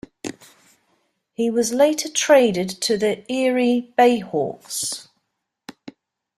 He was later traded to the Erie BayHawks.